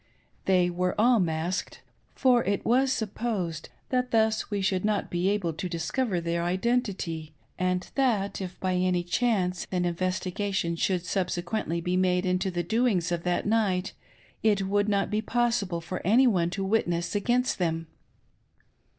They were all masked, for it was supfjosed that thus we should not be able to discover their identity, and that if by any chance an investigation should subsequently be made into the doings of that night it would not be possible for any one to witness against them.